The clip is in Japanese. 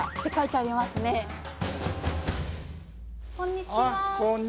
あこんにちは。